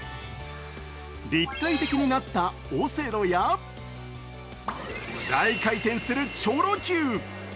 立体的になったオセロや大回転するチョロＱ。